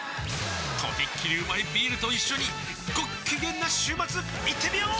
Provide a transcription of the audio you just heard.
とびっきりうまいビールと一緒にごっきげんな週末いってみよー！